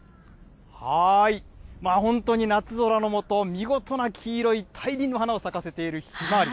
本当に夏空の下、見事な黄色い大輪の花を咲かせているひまわり。